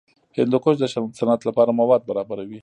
هندوکش د صنعت لپاره مواد برابروي.